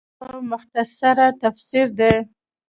او مختصر تفسير دے